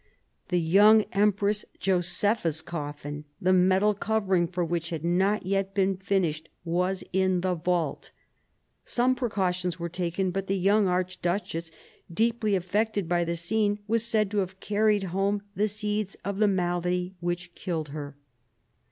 The young Empress Josepha's coffin, the metal covering for which had not yet been finished, was in the vault. Some precautions were taken, but the young archduchess, deeply affected by the scene, was said to have carried home the seeds of the malady which killed her.